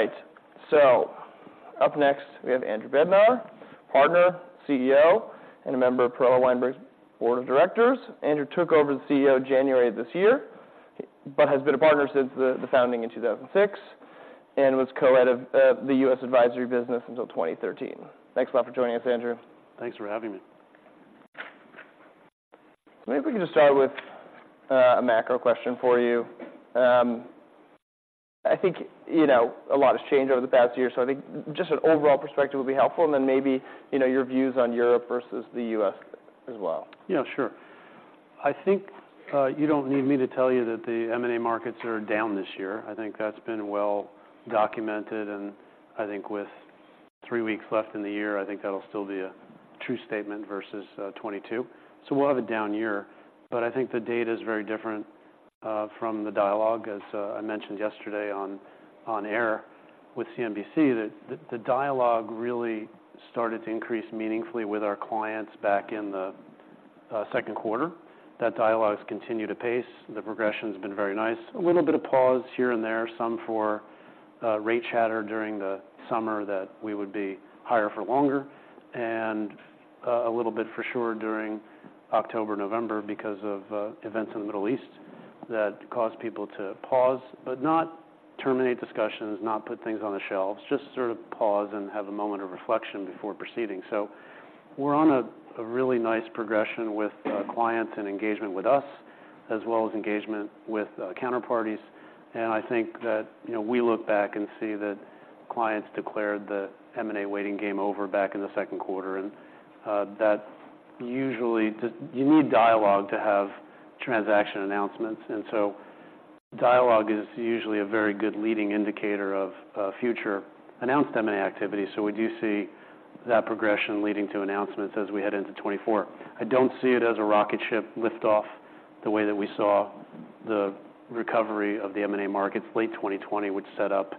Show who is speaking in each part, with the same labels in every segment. Speaker 1: All right, so up next, we have Andrew Bednar, Partner, CEO, and a member of Perella Weinberg's board of directors. Andrew took over as CEO January of this year, but has been a partner since the founding in 2006, and was co-head of the U.S. advisory business until 2013. Thanks a lot for joining us, Andrew.
Speaker 2: Thanks for having me.
Speaker 1: Maybe we can just start with a macro question for you. I think, you know, a lot has changed over the past year, so I think just an overall perspective would be helpful, and then maybe, you know, your views on Europe versus the U.S. as well.
Speaker 2: Yeah, sure. I think you don't need me to tell you that the M&A markets are down this year. I think that's been well documented, and I think with three weeks left in the year, I think that'll still be a true statement versus 2022. So we'll have a down year, but I think the data is very different from the dialogue, as I mentioned yesterday on air with CNBC, that the dialogue really started to increase meaningfully with our clients back in the Q2. That dialogue has continued to pace. The progression's been very nice. A little bit of pause here and there, some for, rate chatter during the summer that we would be higher for longer, and, a little bit for sure during October, November, because of, events in the Middle East that caused people to pause, but not terminate discussions, not put things on the shelves, just sort of pause and have a moment of reflection before proceeding. So we're on a, a really nice progression with, clients and engagement with us, as well as engagement with, counterparties. And I think that, you know, we look back and see that clients declared the M&A waiting game over back in the Q2, and, that usually just-- You need dialogue to have transaction announcements, and so dialogue is usually a very good leading indicator of, future announced M&A activity. So we do see that progression leading to announcements as we head into 2024. I don't see it as a rocket ship lift off the way that we saw the recovery of the M&A markets late 2020, which set up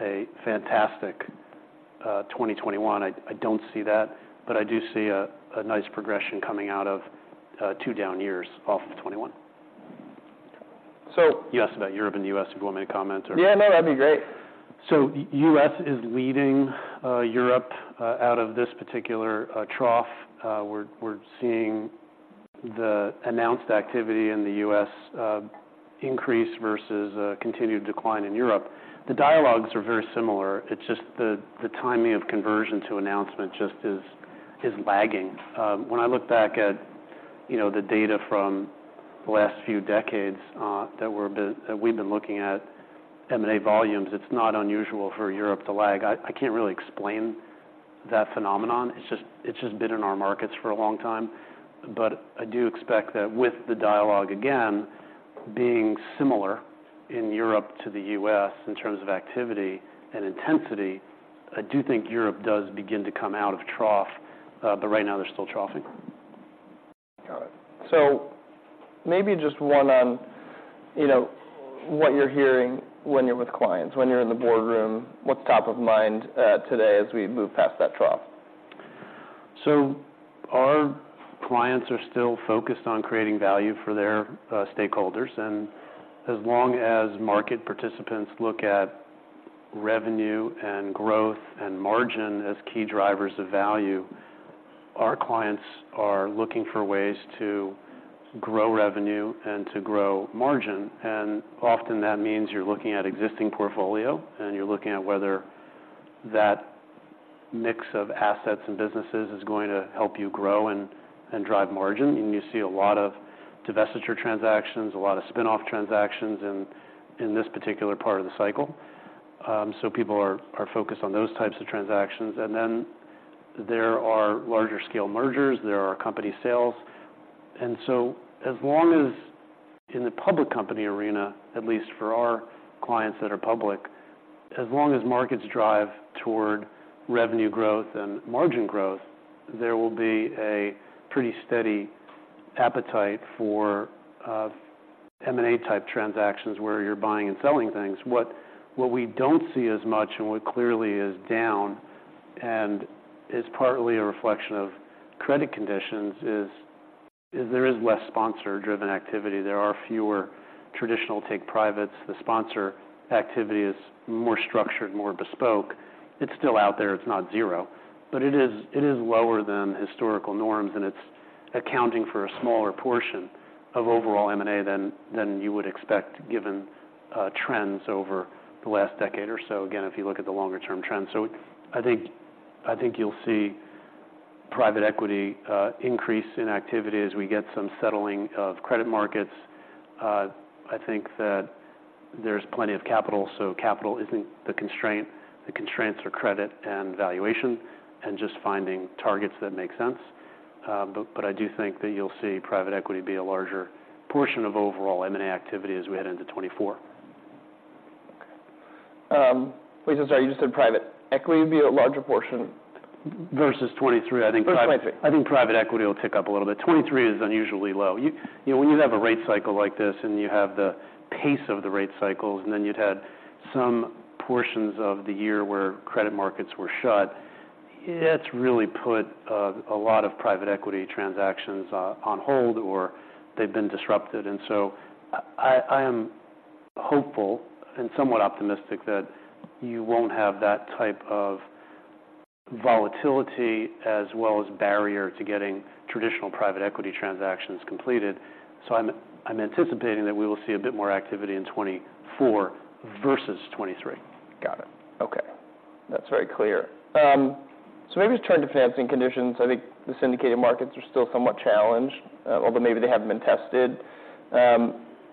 Speaker 2: a fantastic 2021. I, I don't see that, but I do see a nice progression coming out of two down years off of 2021.
Speaker 1: So-
Speaker 2: You asked about Europe and the U.S, if you want me to comment or-
Speaker 1: Yeah, no, that'd be great.
Speaker 2: So U.S. is leading Europe out of this particular trough. We're seeing the announced activity in the U.S. increase versus a continued decline in Europe. The dialogues are very similar. It's just the timing of conversion to announcement is lagging. When I look back at, you know, the data from the last few decades that we've been looking at M&A volumes, it's not unusual for Europe to lag. I can't really explain that phenomenon. It's just been in our markets for a long time. But I do expect that with the dialogue, again, being similar in Europe to the U.S. in terms of activity and intensity, I do think Europe does begin to come out of trough, but right now they're still troughing.
Speaker 1: Got it. So maybe just one on, you know, what you're hearing when you're with clients, when you're in the boardroom, what's top of mind, today as we move past that trough?
Speaker 2: So our clients are still focused on creating value for their stakeholders, and as long as market participants look at revenue and growth and margin as key drivers of value, our clients are looking for ways to grow revenue and to grow margin. And often that means you're looking at existing portfolio, and you're looking at whether that mix of assets and businesses is going to help you grow and drive margin. And you see a lot of divestiture transactions, a lot of spin-off transactions in this particular part of the cycle. So people are focused on those types of transactions. And then there are larger scale mergers, there are company sales. And so, as long as in the public company arena, at least for our clients that are public, as long as markets drive toward revenue growth and margin growth, there will be a pretty steady appetite for M&A type transactions, where you're buying and selling things. What we don't see as much, and what clearly is down and is partly a reflection of credit conditions, is there less sponsor-driven activity. There are fewer traditional take-privates. The sponsor activity is more structured, more bespoke. It's still out there, it's not zero, but it is lower than historical norms, and it's accounting for a smaller portion of overall M&A than you would expect, given trends over the last decade or so, again, if you look at the longer term trends. So I think, I think you'll see private equity increase in activity as we get some settling of credit markets. I think that there's plenty of capital, so capital isn't the constraint. The constraints are credit and valuation and just finding targets that make sense. But, but I do think that you'll see private equity be a larger portion of overall M&A activity as we head into 2024.
Speaker 1: Wait, I'm sorry, you just said private equity would be a larger portion?
Speaker 2: Versus 2023. I think-
Speaker 1: Twenty-three.
Speaker 2: I think private equity will tick up a little bit. 2023 is unusually low. You know, when you have a rate cycle like this, and you have the pace of the rate cycles, and then you'd had some portions of the year where credit markets were shut. It's really put a lot of private equity transactions on hold, or they've been disrupted. And so I am hopeful and somewhat optimistic that you won't have that type of volatility as well as barrier to getting traditional private equity transactions completed. So I'm anticipating that we will see a bit more activity in 2024 versus 2023.
Speaker 1: Got it. Okay, that's very clear. So maybe just turn to financing conditions. I think the syndicated markets are still somewhat challenged, although maybe they haven't been tested.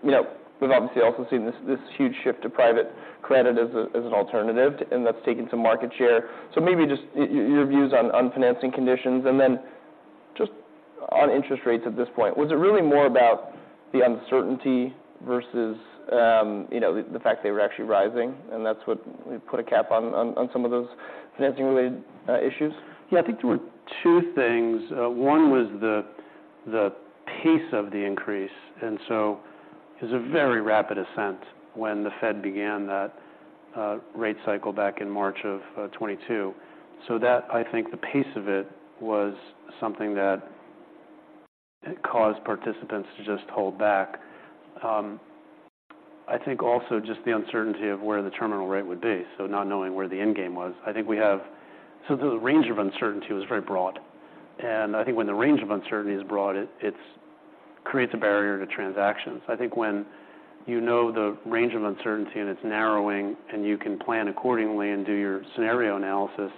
Speaker 1: You know, we've obviously also seen this, this huge shift to private credit as an alternative, and that's taking some market share. So maybe just your views on financing conditions, and then just on interest rates at this point. Was it really more about the uncertainty versus, you know, the fact they were actually rising, and that's what put a cap on some of those financing-related issues?
Speaker 2: Yeah, I think there were two things. One was the pace of the increase, and so it was a very rapid ascent when the Fed began that rate cycle back in March of 2022. So I think the pace of it was something that caused participants to just hold back. I think also just the uncertainty of where the terminal rate would be, so not knowing where the end game was. So the range of uncertainty was very broad, and I think when the range of uncertainty is broad, it creates a barrier to transactions. I think when you know the range of uncertainty, and it's narrowing, and you can plan accordingly and do your scenario analysis,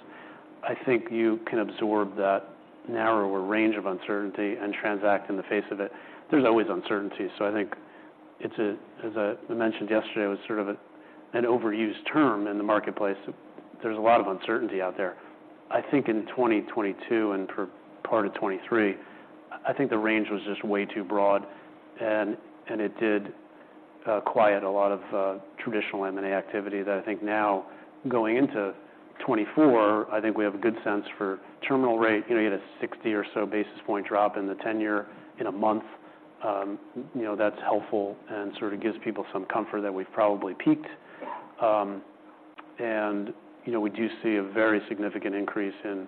Speaker 2: I think you can absorb that narrower range of uncertainty and transact in the face of it. There's always uncertainty, so I think it's. As I mentioned yesterday, it was sort of an overused term in the marketplace. There's a lot of uncertainty out there. I think in 2022, and for part of 2023, I think the range was just way too broad, and it did quiet a lot of traditional M&A activity that I think now, going into 2024, I think we have a good sense for terminal rate. You know, you had a 60 or so basis point drop in the 10-year in a month. You know, that's helpful and sort of gives people some comfort that we've probably peaked. And you know, we do see a very significant increase in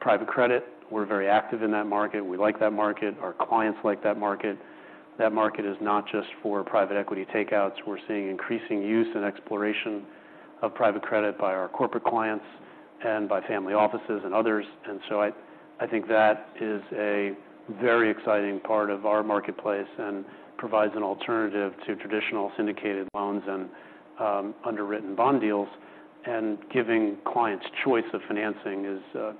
Speaker 2: private credit. We're very active in that market. We like that market. Our clients like that market. That market is not just for private equity take-outs. We're seeing increasing use and exploration of private credit by our corporate clients and by family offices and others. And so I think that is a very exciting part of our marketplace and provides an alternative to traditional syndicated loans and, underwritten bond deals, and giving clients choice of financing is a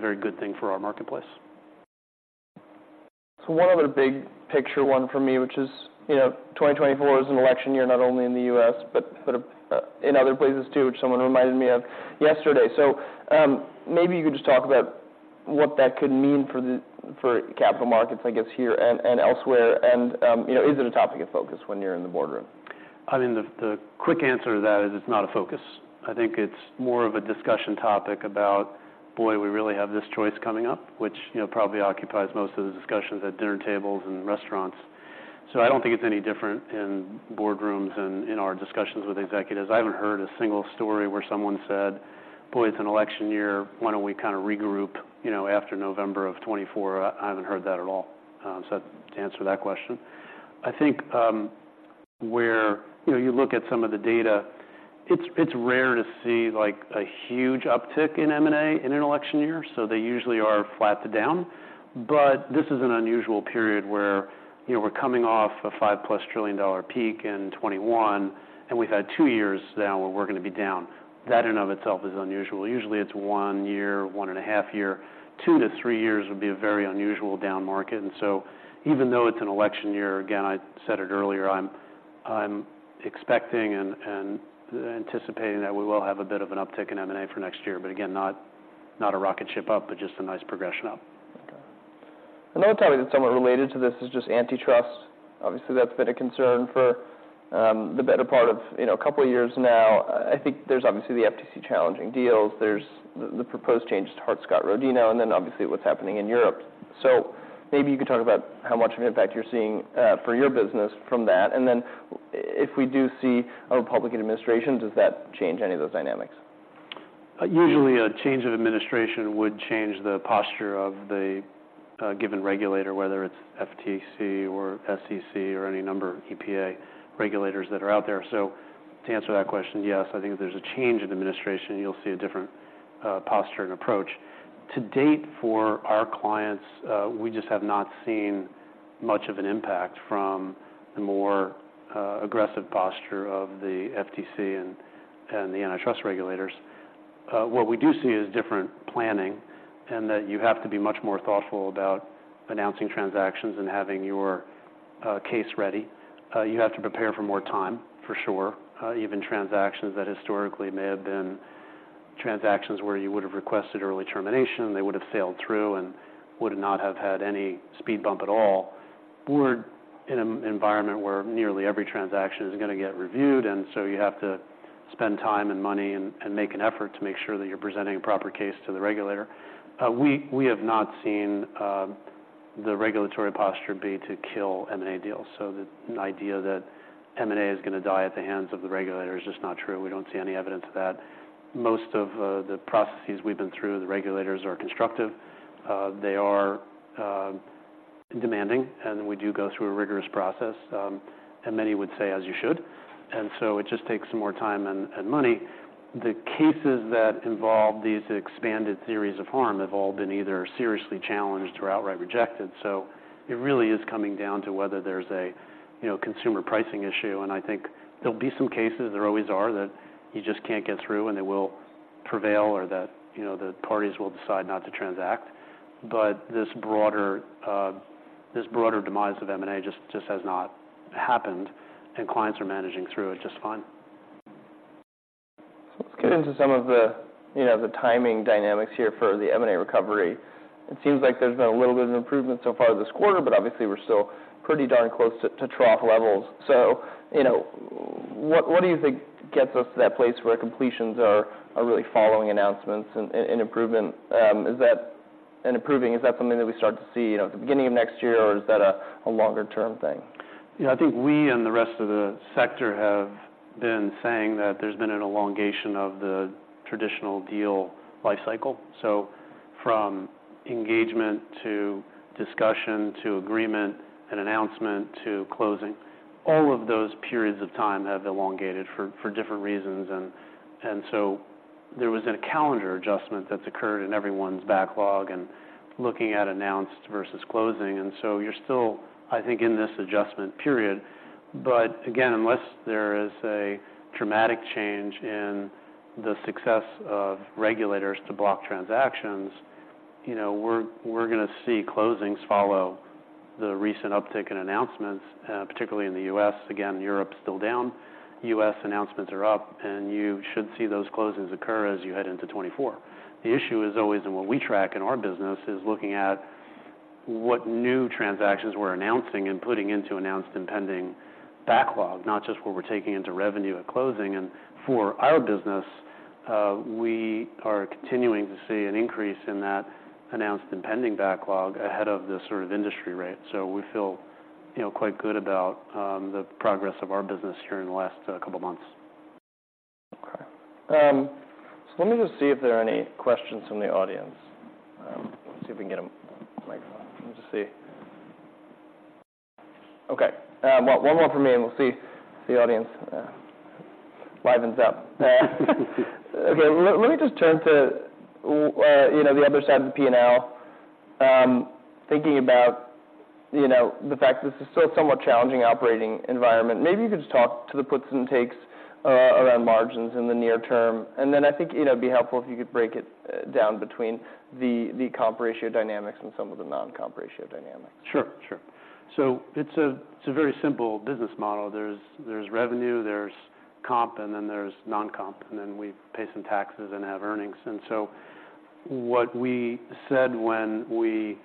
Speaker 2: very good thing for our marketplace.
Speaker 1: So one other big picture, one for me, which is, you know, 2024 is an election year, not only in the U.S., but, in other places too, which someone reminded me of yesterday. So, maybe you could just talk about what that could mean for capital markets, I guess, here and elsewhere. And, you know, is it a topic of focus when you're in the boardroom?
Speaker 2: I mean, the quick answer to that is it's not a focus. I think it's more of a discussion topic about, "Boy, we really have this choice coming up," which, you know, probably occupies most of the discussions at dinner tables and restaurants. So I don't think it's any different in boardrooms and in our discussions with executives. I haven't heard a single story where someone said, "Boy, it's an election year. Why don't we kind of regroup, you know, after November of 2024?" I haven't heard that at all, so to answer that question. I think, you know, you look at some of the data, it's rare to see, like, a huge uptick in M&A in an election year, so they usually are flat to down. But this is an unusual period where, you know, we're coming off a $5+ trillion peak in 2021, and we've had two years now where we're gonna be down. That, in and of itself, is unusual. Usually, it's one year, one and a half years. Two to three years would be a very unusual down market, and so even though it's an election year, again, I said it earlier, I'm, I'm expecting and, and anticipating that we will have a bit of an uptick in M&A for next year, but again, not, not a rocket ship up, but just a nice progression up.
Speaker 1: Okay. Another topic that's somewhat related to this is just antitrust. Obviously, that's been a concern for the better part of, you know, a couple of years now. I think there's obviously the FTC challenging deals, there's the proposed changes to Hart-Scott-Rodino, and then obviously, what's happening in Europe. So maybe you could talk about how much of an impact you're seeing for your business from that, and then if we do see a Republican administration, does that change any of those dynamics?
Speaker 2: Usually, a change of administration would change the posture of the given regulator, whether it's FTC or SEC or any number, EPA, regulators that are out there. So to answer that question, yes, I think if there's a change in administration, you'll see a different posture and approach. To date, for our clients, we just have not seen much of an impact from the more aggressive posture of the FTC and the antitrust regulators. What we do see is different planning, and that you have to be much more thoughtful about announcing transactions and having your case ready. You have to prepare for more time, for sure. Even transactions that historically may have been transactions where you would have requested early termination, they would have sailed through and would not have had any speed bump at all. We're in an environment where nearly every transaction is gonna get reviewed, and so you have to spend time and money and, and make an effort to make sure that you're presenting a proper case to the regulator. We have not seen the regulatory posture be to kill M&A deals. So the idea that M&A is going to die at the hands of the regulator is just not true. We don't see any evidence of that. Most of the processes we've been through, the regulators are constructive. They are demanding, and we do go through a rigorous process, and many would say, as you should, and so it just takes some more time and, and money. The cases that involve these expanded theories of harm have all been either seriously challenged or outright rejected. It really is coming down to whether there's a, you know, consumer pricing issue, and I think there'll be some cases, there always are, that you just can't get through, and they will prevail, or that, you know, the parties will decide not to transact. But this broader, this broader demise of M&A just, just has not happened, and clients are managing through it just fine.
Speaker 1: So let's get into some of the, you know, the timing dynamics here for the M&A recovery. It seems like there's been a little bit of improvement so far this quarter, but obviously, we're still pretty darn close to trough levels. So, you know, what do you think gets us to that place where completions are really following announcements and improvement? Is that something that we start to see, you know, at the beginning of next year, or is that a longer-term thing?
Speaker 2: Yeah, I think we and the rest of the sector have been saying that there's been an elongation of the traditional deal life cycle. So from engagement to discussion, to agreement and announcement, to closing, all of those periods of time have elongated for different reasons. And so there was a calendar adjustment that's occurred in everyone's backlog and looking at announced versus closing, and so you're still, I think, in this adjustment period. But again, unless there is a dramatic change in the success of regulators to block transactions, you know, we're going to see closings follow the recent uptick in announcements, particularly in the U.S. Again, Europe is still down. U.S. announcements are up, and you should see those closings occur as you head into 2024. The issue is always, and what we track in our business, is looking at what new transactions we're announcing and putting into announced and pending backlog, not just what we're taking into revenue at closing. And for our business, we are continuing to see an increase in that announced and pending backlog ahead of the sort of industry rate. So we feel, you know, quite good about the progress of our business here in the last couple of months.
Speaker 1: Okay. So let me just see if there are any questions from the audience. Let's see if we can get a microphone. Let me just see. Okay, well, one more from me, and we'll see if the audience livens up. Okay, let me just turn to, you know, the other side of the P&L. Thinking about, you know, the fact that this is still a somewhat challenging operating environment. Maybe you could just talk to the puts and takes around margins in the near term. And then I think, you know, it'd be helpful if you could break it down between the comp ratio dynamics and some of the non-comp ratio dynamics.
Speaker 2: Sure, sure. So it's a, it's a very simple business model. There's, there's revenue, there's comp, and then there's non-comp, and then we pay some taxes and have earnings. And so what we said when we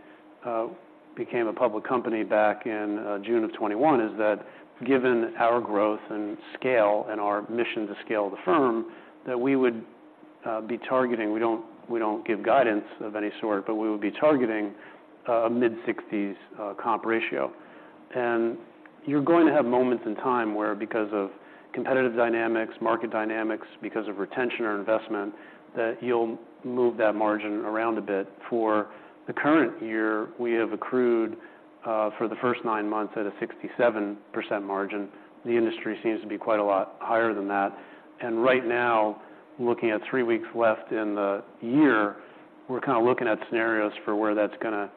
Speaker 2: became a public company back in June of 2021, is that given our growth and scale and our mission to scale the firm, that we would be targeting—we don't, we don't give guidance of any sort, but we would be targeting a mid-60s comp ratio. And you're going to have moments in time where, because of competitive dynamics, market dynamics, because of retention or investment, that you'll move that margin around a bit. For the current year, we have accrued for the first nine months at a 67% margin. The industry seems to be quite a lot higher than that. Right now, looking at three weeks left in the year, we're kind of looking at scenarios for where that's going to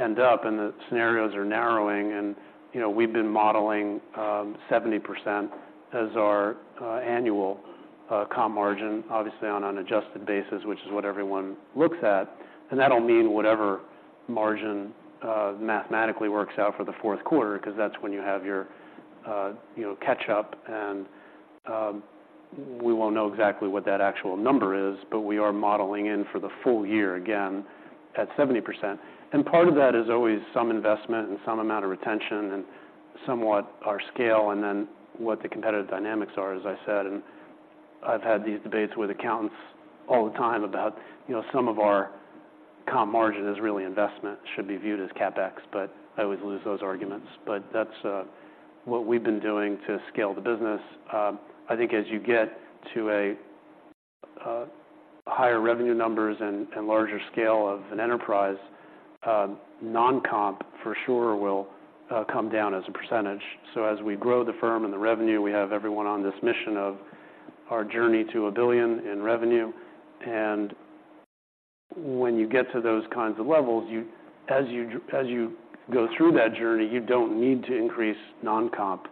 Speaker 2: end up, and the scenarios are narrowing. You know, we've been modeling 70% as our annual comp margin, obviously on an adjusted basis, which is what everyone looks at. And that'll mean whatever margin mathematically works out for the Q4, because that's when you have your you know, catch up. We won't know exactly what that actual number is, but we are modeling in for the full year, again, at 70%. Part of that is always some investment and some amount of retention and somewhat our scale, and then what the competitive dynamics are, as I said, and I've had these debates with accountants all the time about, you know, some of our comp margin is really investment, should be viewed as CapEx, but I always lose those arguments. But that's what we've been doing to scale the business. I think as you get to a higher revenue numbers and larger scale of an enterprise, non-comp, for sure, will come down as a percentage. So as we grow the firm and the revenue, we have everyone on this mission of our journey to $1 billion in revenue. When you get to those kinds of levels, as you go through that journey, you don't need to increase non-comp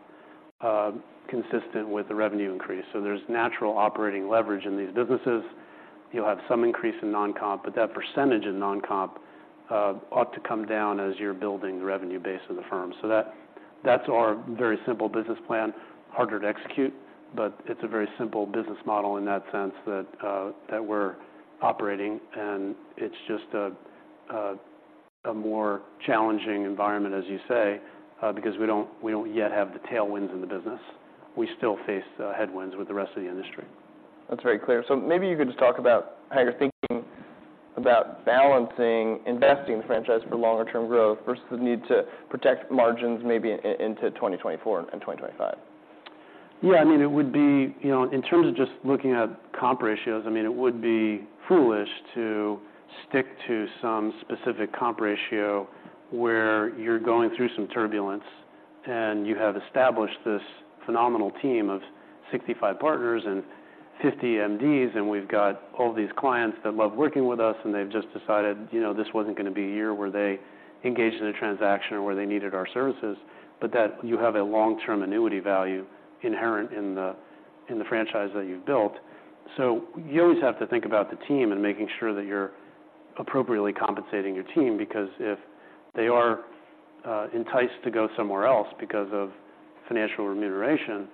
Speaker 2: consistent with the revenue increase. So there's natural operating leverage in these businesses. You'll have some increase in non-comp, but that percentage in non-comp ought to come down as you're building the revenue base of the firm. So that's our very simple business plan. Harder to execute, but it's a very simple business model in that sense that we're operating, and it's just a more challenging environment, as you say, because we don't yet have the tailwinds in the business. We still face headwinds with the rest of the industry....
Speaker 1: That's very clear. So maybe you could just talk about how you're thinking about balancing investing the franchise for longer-term growth versus the need to protect margins maybe into 2024 and 2025.
Speaker 2: Yeah, I mean, it would be, you know, in terms of just looking at comp ratios, I mean, it would be foolish to stick to some specific comp ratio where you're going through some turbulence, and you have established this phenomenal team of 65 partners and 50 MDs, and we've got all these clients that love working with us, and they've just decided, you know, this wasn't gonna be a year where they engaged in a transaction or where they needed our services, but that you have a long-term annuity value inherent in the, in the franchise that you've built. So you always have to think about the team and making sure that you're appropriately compensating your team, because if they are, enticed to go somewhere else because of financial remuneration,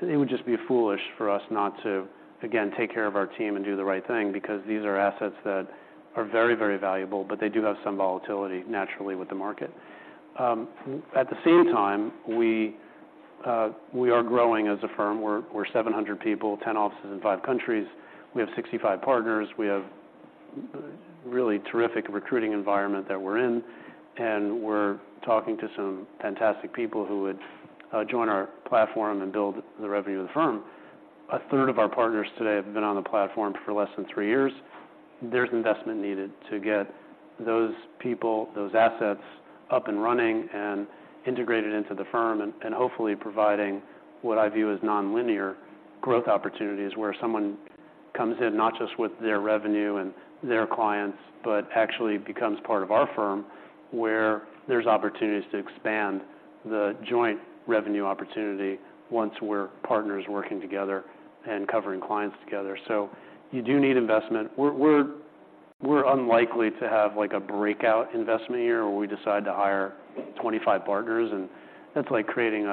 Speaker 2: it would just be foolish for us not to, again, take care of our team and do the right thing, because these are assets that are very, very valuable, but they do have some volatility naturally with the market. At the same time, we, we are growing as a firm. We're, we're 700 people, 10 offices in 5 countries. We have 65 partners. We have really terrific recruiting environment that we're in, and we're talking to some fantastic people who would, join our platform and build the revenue of the firm. A third of our partners today have been on the platform for less than three years. There's investment needed to get those people, those assets, up and running and integrated into the firm, and hopefully providing what I view as nonlinear growth opportunities, where someone comes in not just with their revenue and their clients, but actually becomes part of our firm, where there's opportunities to expand the joint revenue opportunity once we're partners working together and covering clients together. So you do need investment. We're unlikely to have, like, a breakout investment year, where we decide to hire 25 partners, and that's like creating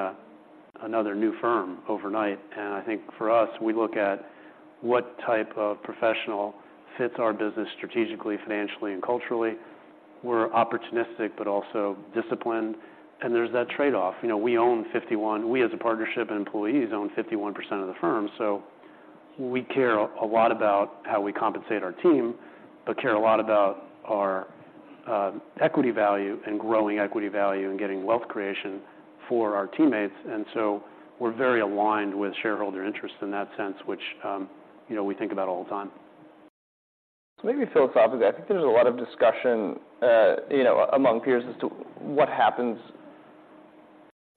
Speaker 2: another new firm overnight. And I think for us, we look at what type of professional fits our business strategically, financially, and culturally. We're opportunistic, but also disciplined, and there's that trade-off. You know, we own 51. We, as a partnership and employees, own 51% of the firm, so we care a lot about how we compensate our team, but care a lot about our equity value and growing equity value and getting wealth creation for our teammates. And so we're very aligned with shareholder interests in that sense, which, you know, we think about all the time.
Speaker 1: Maybe philosophically, I think there's a lot of discussion, you know, among peers as to what happens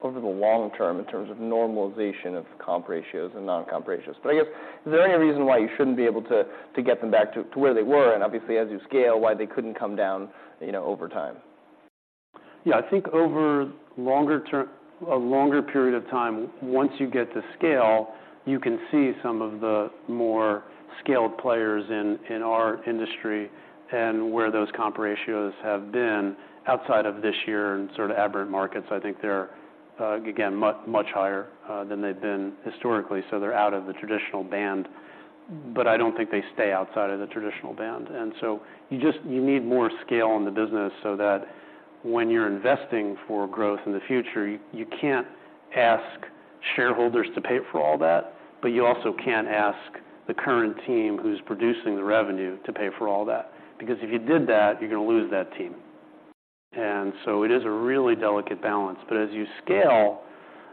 Speaker 1: over the long term in terms of normalization of comp ratios and non-comp ratios. But I guess, is there any reason why you shouldn't be able to get them back to where they were, and obviously, as you scale, why they couldn't come down, you know, over time?
Speaker 2: Yeah, I think over a longer period of time, once you get to scale, you can see some of the more scaled players in our industry and where those comp ratios have been outside of this year and sort of aberrant markets. I think they're again much, much higher than they've been historically, so they're out of the traditional band, but I don't think they stay outside of the traditional band. And so you just need more scale in the business so that when you're investing for growth in the future, you can't ask shareholders to pay for all that, but you also can't ask the current team who's producing the revenue to pay for all that. Because if you did that, you're gonna lose that team. And so it is a really delicate balance, but as you scale,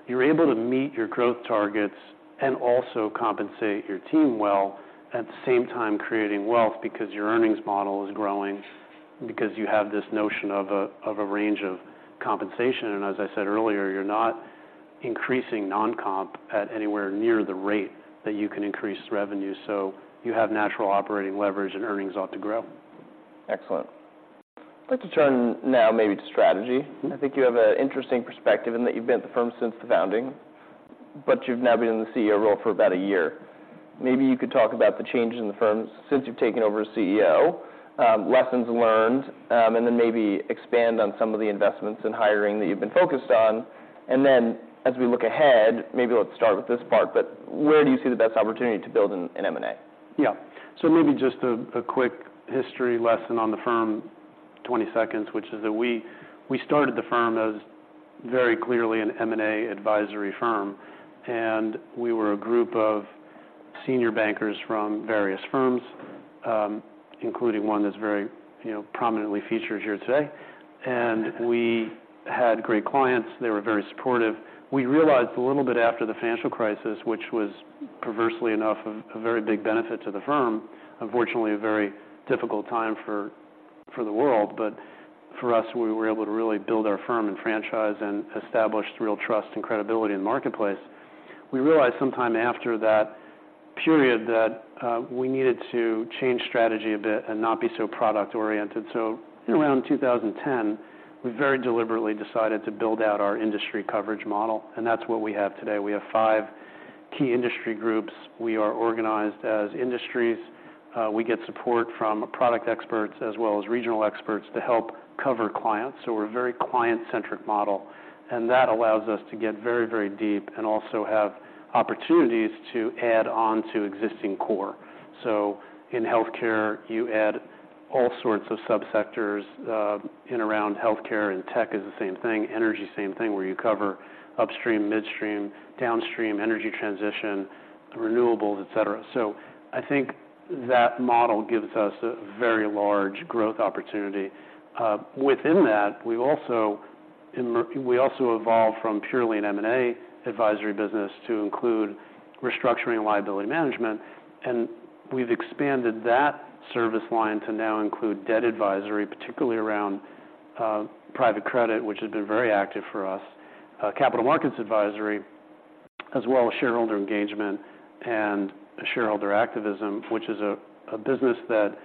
Speaker 2: you're able to meet your growth targets and also compensate your team well, at the same time, creating wealth because your earnings model is growing, because you have this notion of a range of compensation. And as I said earlier, you're not increasing non-comp at anywhere near the rate that you can increase revenue, so you have natural operating leverage and earnings ought to grow.
Speaker 1: Excellent. I'd like to turn now maybe to strategy.
Speaker 2: Mm-hmm.
Speaker 1: I think you have an interesting perspective in that you've been at the firm since the founding, but you've now been in the CEO role for about a year. Maybe you could talk about the changes in the firm since you've taken over as CEO, lessons learned, and then maybe expand on some of the investments in hiring that you've been focused on. And then, as we look ahead, maybe let's start with this part, but where do you see the best opportunity to build in M&A?
Speaker 2: Yeah. So maybe just a quick history lesson on the firm, 20 seconds, which is that we started the firm as very clearly an M&A advisory firm, and we were a group of senior bankers from various firms, including one that's very, you know, prominently featured here today. And we had great clients. They were very supportive. We realized a little bit after the financial crisis, which was, perversely enough, a very big benefit to the firm. Unfortunately, a very difficult time for the world, but for us, we were able to really build our firm and franchise and establish real trust and credibility in the marketplace. We realized sometime after that period that we needed to change strategy a bit and not be so product-oriented. In around 2010, we very deliberately decided to build out our industry coverage model, and that's what we have today. We have five key industry groups. We are organized as industries. We get support from product experts as well as regional experts to help cover clients, so we're a very client-centric model, and that allows us to get very, very deep and also have opportunities to add on to existing core.... In healthcare, you add all sorts of subsectors, in around healthcare, and tech is the same thing, energy, same thing, where you cover upstream, midstream, downstream, energy transition, renewables, et cetera. I think that model gives us a very large growth opportunity. Within that, we also evolved from purely an M&A advisory business to include restructuring and liability management, and we've expanded that service line to now include debt advisory, particularly around private credit, which has been very active for us. Capital markets advisory, as well as shareholder engagement and shareholder activism, which is a business that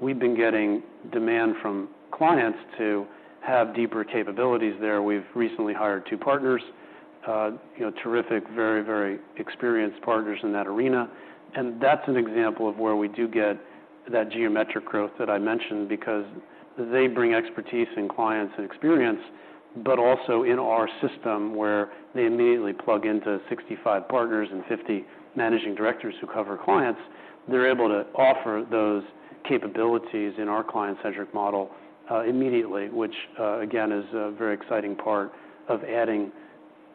Speaker 2: we've been getting demand from clients to have deeper capabilities there. We've recently hired two partners. You know, terrific, very, very experienced partners in that arena, and that's an example of where we do get that geometric growth that I mentioned, because they bring expertise and clients and experience, but also in our system, where they immediately plug into 65 partners and 50 managing directors who cover clients. They're able to offer those capabilities in our client-centric model immediately, which again is a very exciting part of adding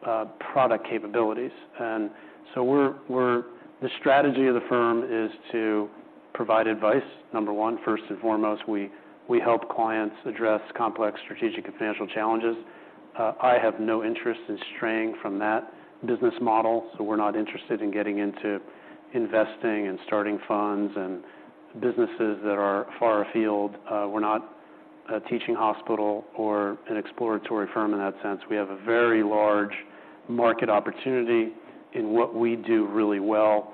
Speaker 2: product capabilities. And so we're. The strategy of the firm is to provide advice. Number one, first and foremost, we help clients address complex strategic and financial challenges. I have no interest in straying from that business model, so we're not interested in getting into investing and starting funds and businesses that are far afield. We're not a teaching hospital or an exploratory firm in that sense. We have a very large market opportunity in what we do really well.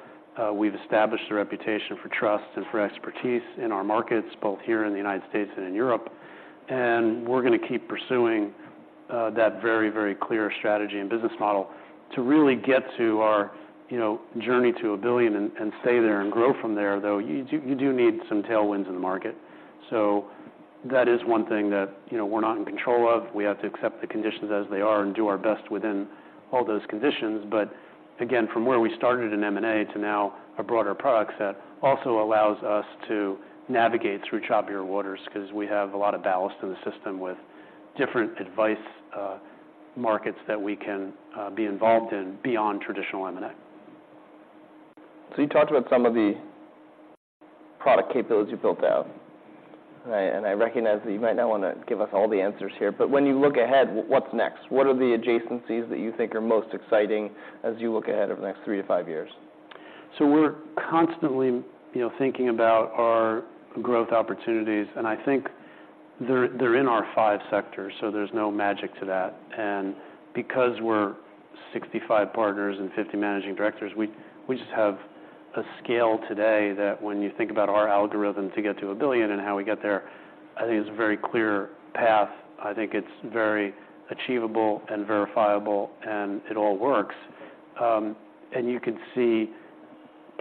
Speaker 2: We've established a reputation for trust and for expertise in our markets, both here in the United States and in Europe. And we're gonna keep pursuing that very, very clear strategy and business model. To really get to our, you know, journey to $1 billion and, and stay there and grow from there, though, you do, you do need some tailwinds in the market. So that is one thing that, you know, we're not in control of. We have to accept the conditions as they are and do our best within all those conditions. But again, from where we started in M&A to now a broader product set, also allows us to navigate through choppier waters 'cause we have a lot of ballast in the system with different advice, markets that we can be involved in beyond traditional M&A.
Speaker 1: So you talked about some of the product capabilities you built out, right? And I recognize that you might not want to give us all the answers here, but when you look ahead, what's next? What are the adjacencies that you think are most exciting as you look ahead over the next three to five years?
Speaker 2: So we're constantly, you know, thinking about our growth opportunities, and I think they're, they're in our five sectors, so there's no magic to that. And because we're 65 partners and 50 managing directors, we just have a scale today that when you think about our algorithm to get to a billion and how we get there, I think it's a very clear path. I think it's very achievable and verifiable, and it all works. And you can see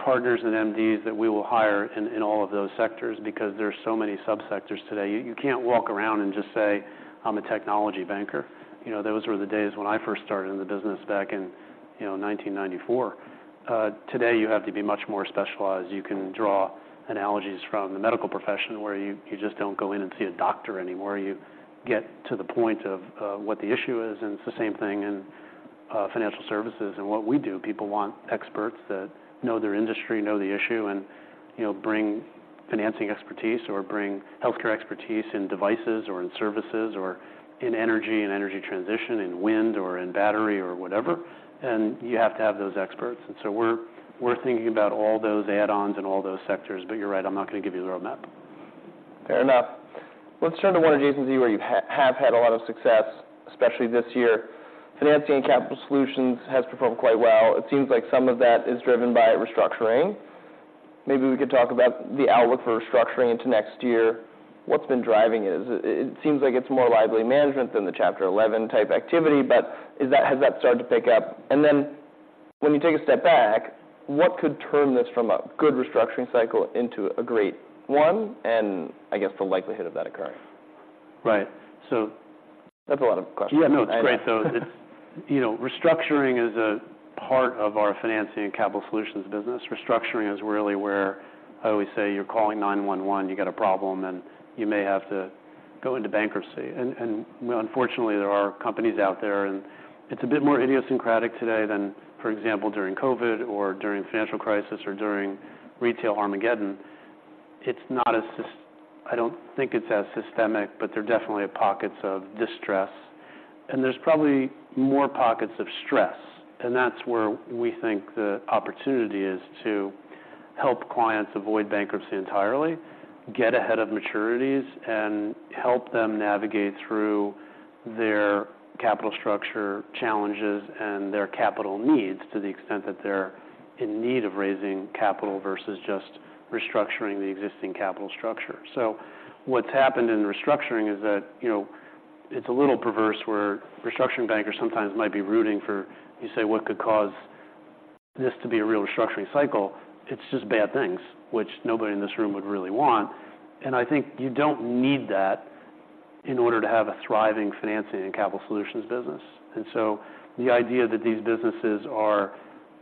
Speaker 2: partners and MDs that we will hire in all of those sectors because there are so many subsectors today. You can't walk around and just say, "I'm a technology banker." You know, those were the days when I first started in the business back in, you know, 1994. Today, you have to be much more specialized. You can draw analogies from the medical profession, where you just don't go in and see a doctor anymore. You get to the point of what the issue is, and it's the same thing in financial services and what we do. People want experts that know their industry, know the issue, and, you know, bring financing expertise or bring healthcare expertise in devices or in services or in energy and energy transition, in wind or in battery or whatever. And you have to have those experts. And so we're thinking about all those add-ons and all those sectors, but you're right, I'm not going to give you the roadmap.
Speaker 1: Fair enough. Let's turn to one adjacency where you have had a lot of success, especially this year. Financing and capital solutions has performed quite well. It seems like some of that is driven by restructuring. Maybe we could talk about the outlook for restructuring into next year. What's been driving it? It seems like it's more liability management than the Chapter 11 type activity, but is that has that started to pick up? And then when you take a step back, what could turn this from a good restructuring cycle into a great one? And I guess the likelihood of that occurring.
Speaker 2: Right. So-
Speaker 1: That's a lot of questions.
Speaker 2: Yeah, no, it's great, though. It's... You know, restructuring is a part of our financing and capital solutions business. Restructuring is really where I always say you're calling 911, you got a problem, and you may have to go into bankruptcy. And unfortunately, there are companies out there, and it's a bit more idiosyncratic today than, for example, during COVID or during the financial crisis or during retail Armageddon. It's not as systemic, I don't think, but there are definitely pockets of distress, and there's probably more pockets of stress, and that's where we think the opportunity is to help clients avoid bankruptcy entirely, get ahead of maturities, and help them navigate through their capital structure challenges and their capital needs to the extent that they're in need of raising capital versus just restructuring the existing capital structure. So what's happened in restructuring is that, you know, it's a little perverse where restructuring bankers sometimes might be rooting for... You say, what could cause this to be a real restructuring cycle? It's just bad things, which nobody in this room would really want. And I think you don't need that in order to have a thriving financing and capital solutions business. And so the idea that these businesses are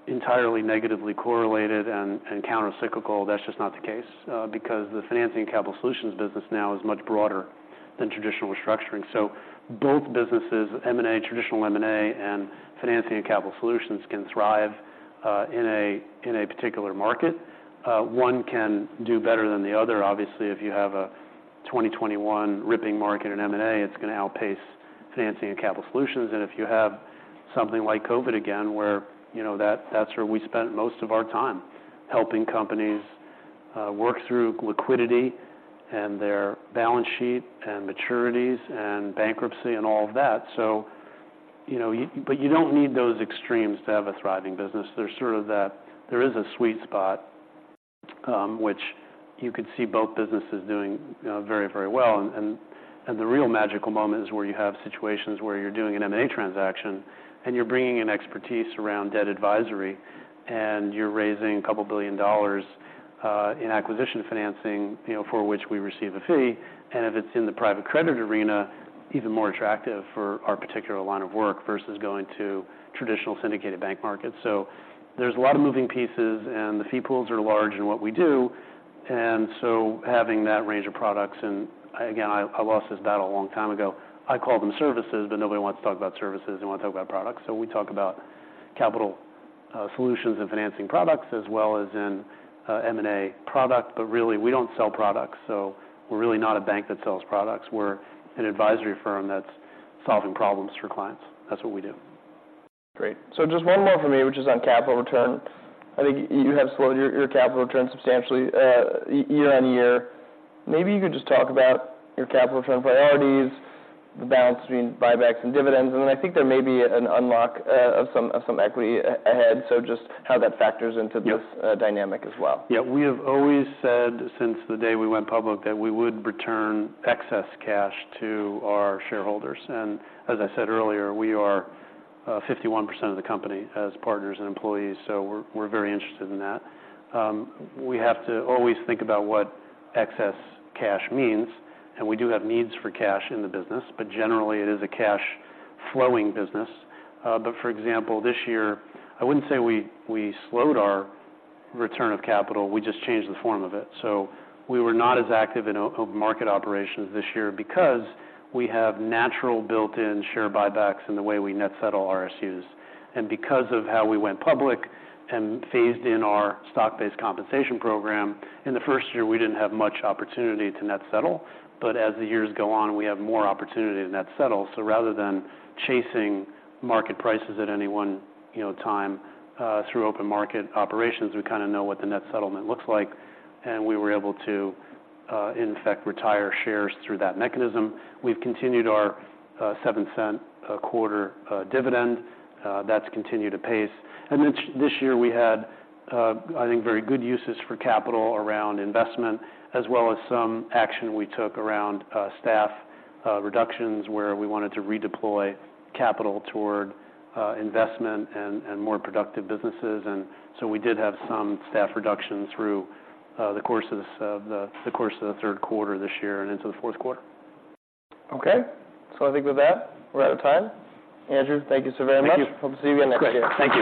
Speaker 2: entirely negatively correlated and countercyclical, that's just not the case, because the financing and capital solutions business now is much broader than traditional restructuring. So both businesses, M&A, traditional M&A, and financing and capital solutions, can thrive in a particular market. One can do better than the other. Obviously, if you have a 2021 ripping market in M&A, it's gonna outpace financing and capital solutions. And if you have something like COVID again, where, you know, that's where we spent most of our time, helping companies, work through liquidity and their balance sheet and maturities and bankruptcy and all of that. So, you know, but you don't need those extremes to have a thriving business. There's sort of that—there is a sweet spot, which you could see both businesses doing, very, very well. And the real magical moment is where you have situations where you're doing an M&A transaction, and you're bringing in expertise around debt advisory, and you're raising $2 billion in acquisition financing, you know, for which we receive a fee. And if it's in the private credit arena, even more attractive for our particular line of work, versus going to traditional syndicated bank markets. So there's a lot of moving pieces, and the fee pools are large in what we do. And so having that range of products—and, again, I lost this battle a long time ago. I call them services, but nobody wants to talk about services. They want to talk about products. So we talk about capital solutions and financing products, as well as in, M&A product. But really, we don't sell products, so we're really not a bank that sells products. We're an advisory firm that's solving problems for clients. That's what we do.
Speaker 1: Great. So just one more for me, which is on capital return. I think you have slowed your, your capital return substantially, year on year. Maybe you could just talk about your capital return priorities, the balance between buybacks and dividends, and then I think there may be an unlock of some, of some equity ahead, so just how that factors into this-
Speaker 2: Yep...
Speaker 1: dynamic as well.
Speaker 2: Yeah, we have always said, since the day we went public, that we would return excess cash to our shareholders. And as I said earlier, we are 51% of the company as partners and employees, so we're very interested in that. We have to always think about what excess cash means, and we do have needs for cash in the business, but generally, it is a cash-flowing business. But for example, this year, I wouldn't say we slowed our return of capital. We just changed the form of it. So we were not as active in open market operations this year because we have natural built-in share buybacks in the way we net settle RSUs. Because of how we went public and phased in our stock-based compensation program, in the first year, we didn't have much opportunity to net settle, but as the years go on, we have more opportunity to net settle. So rather than chasing market prices at any one, you know, time through open market operations, we kinda know what the net settlement looks like, and we were able to, in fact, retire shares through that mechanism. We've continued our $0.07 quarterly dividend. That's continued apace. And then this year we had, I think, very good uses for capital around investment, as well as some action we took around staff reductions, where we wanted to redeploy capital toward investment and more productive businesses. And so we did have some staff reduction through the course of the Q3 this year and into the Q4.
Speaker 1: Okay. So I think with that, we're out of time. Andrew, thank you so very much.
Speaker 2: Thank you.
Speaker 1: Hope to see you again next year.
Speaker 2: Great. Thank you.